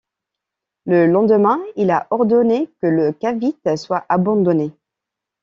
Le lendemain, il a ordonné que le Cavite soit abandonné.